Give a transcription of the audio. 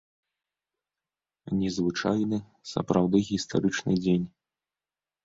Незвычайны, сапраўды гістарычны дзень!